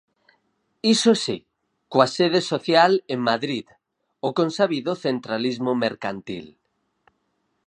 Iso si, coa sede social en Madrid, o consabido centralismo mercantil.